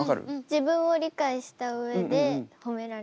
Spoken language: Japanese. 自分を理解した上で褒められるのは。